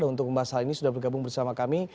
untuk membahas hal ini sudah bergabung bersama kami